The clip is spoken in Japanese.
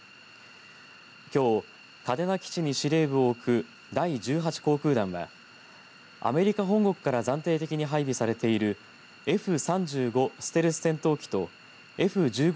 きょう、嘉手納基地に司令部を置く第１８航空団はアメリカ本国から暫定的に配備されているＦ３５ステルス戦闘機とＦ１５